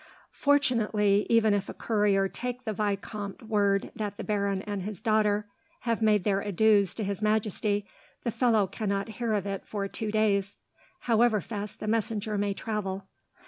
"Fortunately, even if a courier take the vicomte word that the baron and his daughter have made their adieus to His Majesty, the fellow cannot hear of it for two days, however fast the messenger may travel.